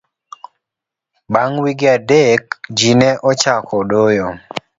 bang' wige adek ji ne ochako doyo